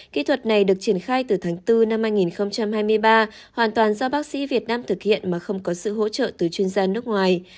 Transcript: kỹ thuật này được triển khai từ tháng bốn năm hai nghìn hai mươi ba hoàn toàn do bác sĩ việt nam thực hiện mà không có sự hỗ trợ từ chuyên gia nước ngoài